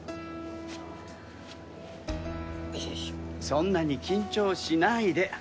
そんなに緊張しないで。